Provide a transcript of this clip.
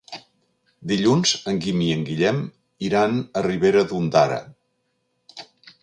Dilluns en Guim i en Guillem iran a Ribera d'Ondara.